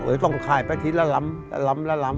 หรือต้องค่ายแป๊บทิศแล้วล้ำแล้วล้ำแล้วล้ำ